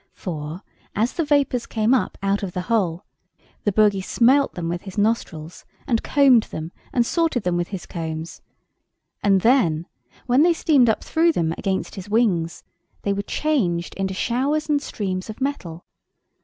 For, as the vapours came up out of the hole, the bogy smelt them with his nostrils, and combed them and sorted them with his combs; and then, when they steamed up through them against his wings, they were changed into showers and streams of metal.